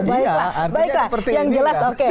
baiklah yang jelas oke